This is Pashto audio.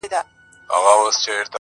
نور بيا د ژوند عادي چارو ته ستنېږي ورو